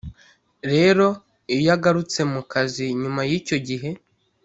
rero iyo agarutse mu kazi nyuma y’icyo gihe